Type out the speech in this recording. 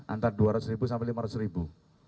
antara dua ratus ribu sampai lima ratus ribu